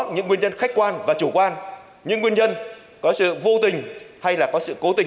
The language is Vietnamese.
những nguyên nhân khách quan và chủ quan nhưng nguyên nhân có sự vô tình hay là có sự cố tình